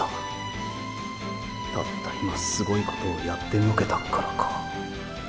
たった今すごいことをやってのけたからか。